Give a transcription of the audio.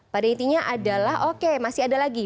pada intinya adalah oke masih ada lagi